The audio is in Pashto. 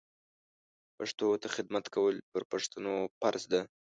پښتو ته خدمت کول پر پښتنو فرض ده